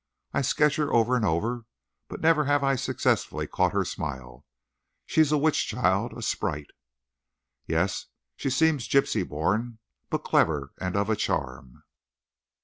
I sketch her over and over, but never have I successfully caught her smile. She's a witch child, a sprite." "Yes; she seems gypsy born. But clever! And of a charm."